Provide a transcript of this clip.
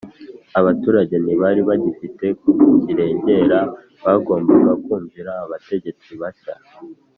abaturage ntibari bagifite kirengera. bagombaga kumvira abategetsi bashya